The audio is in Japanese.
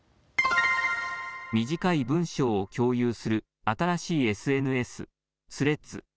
短い文章を共有する新しいＳＮＳ、スレッズ。